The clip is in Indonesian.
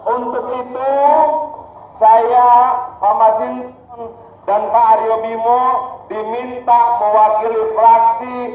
untuk itu saya pak masin dan pak aryo bimo diminta mewakili fraksi